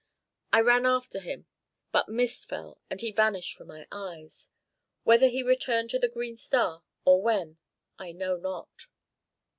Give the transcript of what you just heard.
I ran after him, but mist fell, and he vanished from my eyes. Whether he returned to the 'Green Star' or when, I know not."